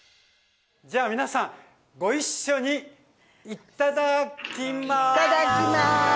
じゃあ皆さんご一緒にいっただきます！